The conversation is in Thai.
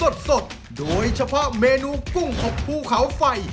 สดโดยเฉพาะเมนูกุ้งของภูเขาไฟ